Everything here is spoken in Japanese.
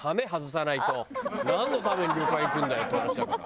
なんのために旅館行くんだよって話だから。